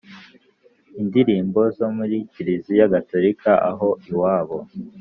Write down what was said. indirimbo zo muri kiliziya gatolika aho iwabo